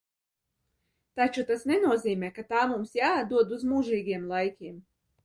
Taču tas nenozīmē, ka tā mums jāatdod uz mūžīgiem laikiem.